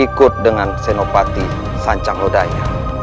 ikut dengan senopati sancang hodanya